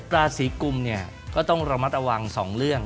ราศีกุมเนี่ยก็ต้องระมัดระวัง๒เรื่อง